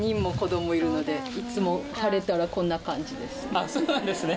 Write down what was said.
ああそうなんですね。